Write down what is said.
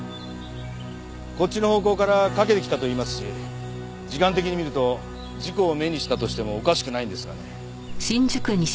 こっちの方向から駆けてきたと言いますし時間的に見ると事故を目にしたとしてもおかしくないんですがね。